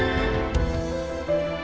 semua tidak bahagia